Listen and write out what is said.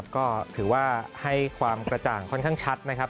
ก็ถือว่าให้ความกระจ่างค่อนข้างชัดนะครับ